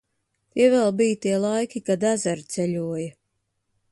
Tie vēl bija tie laiki, kad ezeri ceļoja.